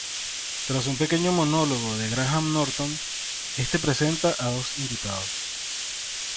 Tras un pequeño monólogo de Graham Norton, este presenta a dos invitados.